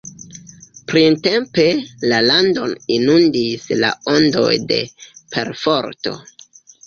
Printempe la landon inundis la ondoj de perforto.